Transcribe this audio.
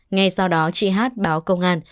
ngay sau đó chị hát báo công an